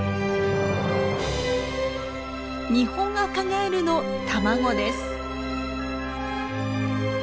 ニホンアカガエルの卵です。